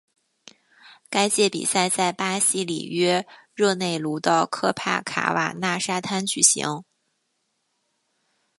该届比赛在巴西里约热内卢的科帕卡瓦纳沙滩举行。